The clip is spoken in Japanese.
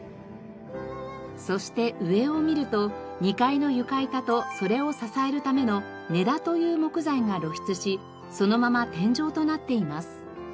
そして上を見ると２階の床板とそれを支えるための根太という木材が露出しそのまま天井となっています。